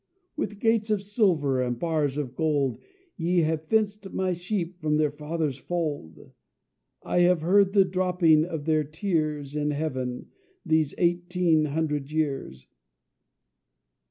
"With gates of silver and bars of gold, Ye have fenced my sheep from their Father's fold: I have heard the dropping of their tears In heaven, these eighteen hundred years."